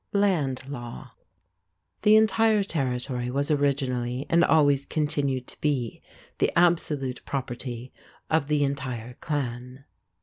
LAND LAW. The entire territory was originally, and always continued to be, the absolute property of the entire clan.